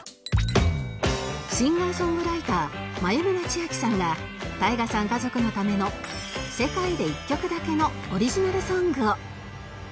シンガー・ソングライター眉村ちあきさんが ＴＡＩＧＡ さん家族のための世界で１曲だけのオリジナルソングを